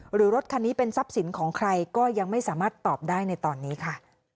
รถคันนี้เป็นทรัพย์สินของใครก็ยังไม่สามารถตอบได้ในตอนนี้ค่ะ